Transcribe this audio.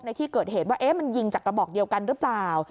ในที่เกิดเหตุว่ามันยิงจากกระบอกเดียวกันหรือเปล่า